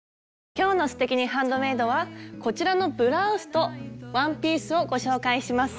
今日の「すてきにハンドメイド」はこちらのブラウスとワンピースをご紹介します。